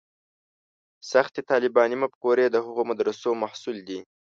سختې طالباني مفکورې د هغو مدرسو محصول دي.